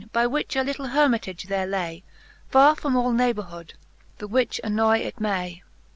By which a little Hermitage there lay, Far from all neighbourhood, the which annoy it may, XXXV.